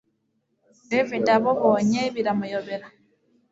david abobonye biramuyobera